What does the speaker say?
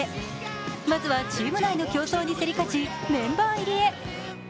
まずはチーム内の競争に競り勝ち、メンバー入りへ。